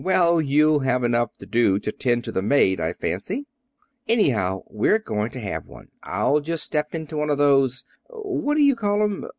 "Well, you'll have enough to do to tend to the maid, I fancy. Anyhow, we're going to have one. I'll just step into one of those what do you call 'em?